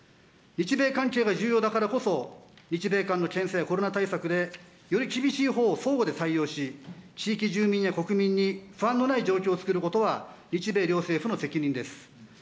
日米関係が重要だからこそ、日米間のコロナ対策で、より厳しいほうを相互で採用し、地域住民や国民に不安のない状況を作ることは、日米両政府の責任です。